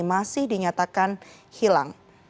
masih dinyatakan hilang